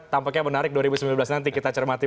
tampaknya menarik dua ribu sembilan belas nanti kita cermati